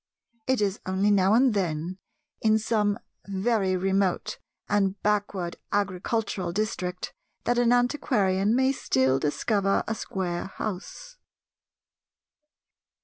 It is only now and then in some very remote and backward agricultural district that an antiquarian may still discover a square house.